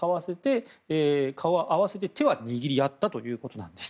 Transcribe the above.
顔を合わせて手は握り合ったということです。